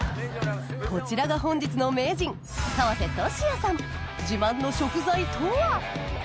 こちらが本日の自慢の食材とは？